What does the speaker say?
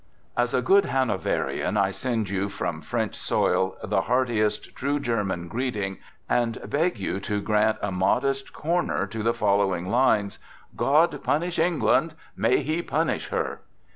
") As a good Hanoverian I send you from French soil the heartiest, true German greeting, and beg you to grant a modest corner to the following lines : "GOD PUNISH ENGLAND!" "MAY HE PUNISH HER!"